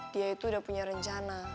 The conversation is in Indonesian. dia itu udah punya rencana